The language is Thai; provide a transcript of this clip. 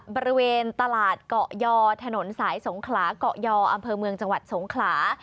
บริเวณตลาดเกาะยอถนนสายสงขลาเกาะยออำเภอเมืองจังหวัดสงขลา